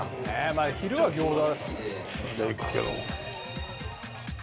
まあ昼は餃子。